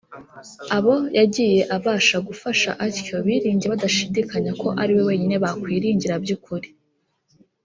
Abo yagiye abasha gufasha atyo biringiye badashidikanya ko ari We Wenyine bakwiringira by’ukuri.